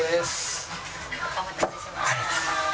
お待たせしました。